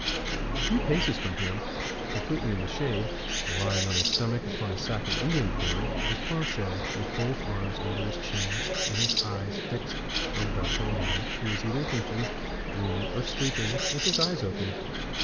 A few paces from him, completely in the shade, lying on his stomach, upon a sack of Indian corn, was Planchet, with both his arms under his chin, and his eyes fixed on D'Artagnan, who was either thinking, dreaming, or sleeping, with his eyes open.